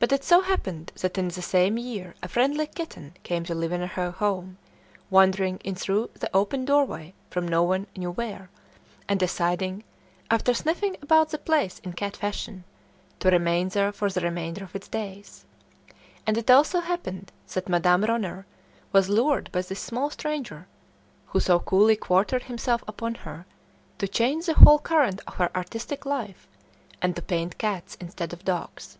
But it so happened that in the same year a friendly kitten came to live in her home, wandering in through the open doorway from no one knew where, and deciding, after sniffing about the place in cat fashion, to remain there for the remainder of its days. And it also happened that Madame Ronner was lured by this small stranger, who so coolly quartered himself upon her, to change the whole current of her artistic life, and to paint cats instead of dogs.